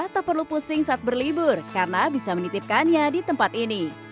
tak perlu pusing saat berlibur karena bisa menitipkannya di tempat ini